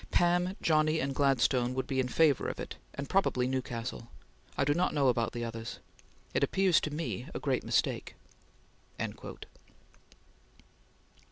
Pam., Johnny, and Gladstone would be in favor of it, and probably Newcastle. I do not know about the others. It appears to me a great mistake....